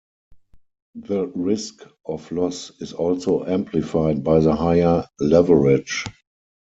The risk of loss is also amplified by the higher leverage.